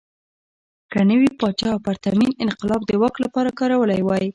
که نوي پاچا پرتمین انقلاب د واک لپاره کارولی وای.